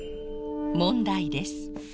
問題です。